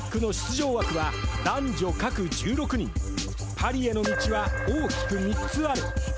パリへの道は、大きく３つある。